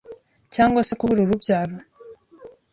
cyangwa se kubura urubyaro